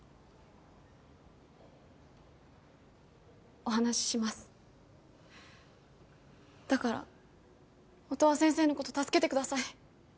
お話ししますだから音羽先生のこと助けてください